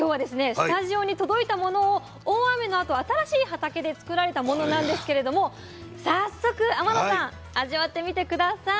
スタジオに届いたものを大雨のあと新しい畑で作られたものなんですけれども早速天野さん味わってみて下さい。